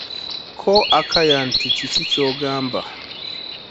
Ko Akaya nti kiki kyogamba?